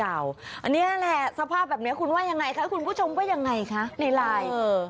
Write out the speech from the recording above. อันนี้แหละสภาพแบบนี้คุณว่ายังไงคะคุณผู้ชมว่ายังไงคะในไลน์